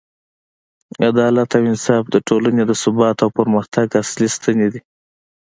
عدالت او انصاف د ټولنې د ثبات او پرمختګ اصلي ستنې دي.